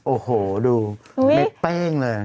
โอ้โหดูเบ้งเลย